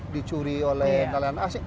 dicuri oleh nelayan asing